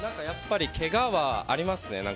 やっぱり、けがはありますね。